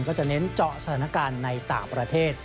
ก็จะเน้นเจาะสถานการณ์ในต่างประเทศ